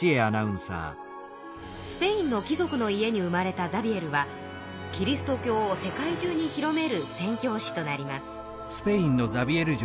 スペインの貴族の家に生まれたザビエルはキリスト教を世界中に広める宣教師となります。